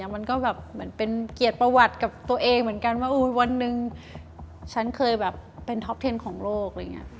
มันก็แบบเป็นเกียรติประวัติกับตัวเองเหมือนกันว่าวันหนึ่งฉันเคยแบบเป็นท็อปเทนของโลก